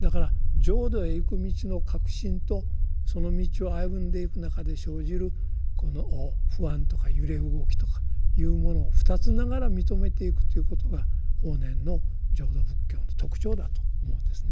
だから浄土へ行く道の確信とその道を歩んでいく中で生じる不安とか揺れ動きとかというものをふたつながら認めていくということが法然の浄土仏教の特徴だと思うんですね。